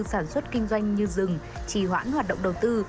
sản xuất kinh doanh như rừng chỉ hoãn hoạt động đầu tư